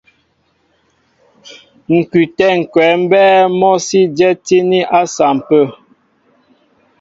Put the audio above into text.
Ŋ̀kʉtɛ̌ ŋ̀kwɛ̌ mbɛ́ɛ́ mɔ́ sí dyɛ́tíní à sampə̂.